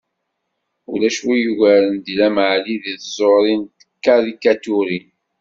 Ulac win yugaren Dilem Ɛli deg tẓuri n tkarikaturin.